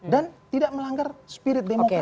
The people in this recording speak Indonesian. dan tidak melanggar spirit demokrasi